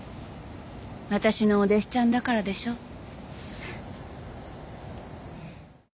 私のお弟子ちゃんだからでしょ。